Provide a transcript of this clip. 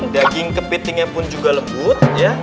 daging kepitingnya pun juga lembut